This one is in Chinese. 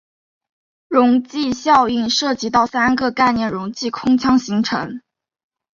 溶剂效应涉及到三个概念溶剂空腔形成。